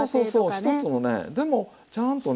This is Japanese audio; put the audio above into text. １つのねでもちゃんとね